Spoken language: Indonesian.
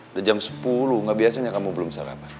udah jam sepuluh nggak biasanya kamu belum sarapan